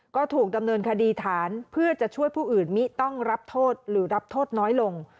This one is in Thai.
ก็ถูกดำเนินคดีฐานเพื่อจะช่วยผู้อื่นมิต้องรับโทษหรือรับโทษน้อยลง